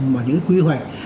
và những quy hoạch